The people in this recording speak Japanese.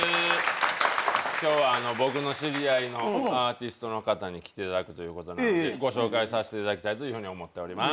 今日はあの僕の知り合いのアーティストの方に来ていただくということなのでご紹介させていただきたいというふうに思っております。